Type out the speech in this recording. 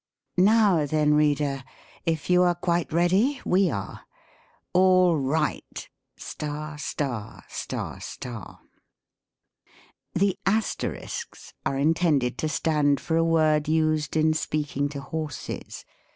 " Now then, reader, if you are quite ready, we are. —All right !" The asterisks are intended to stand for a word used in speaking to horses.